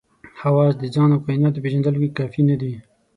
حواس د ځان او کایناتو پېژندلو کې کافي نه دي.